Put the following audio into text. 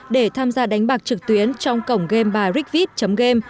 để tham gia đánh bạc trực tuyến trong cổng game bài rickviet game